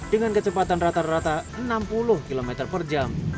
dengan kecepatan rata rata enam puluh km per jam